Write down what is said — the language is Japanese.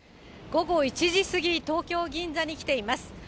午後１時過ぎ、東京・銀座に来ています。